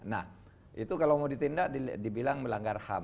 nah itu kalau mau ditindak dibilang melanggar ham